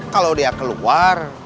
kalau dia keluar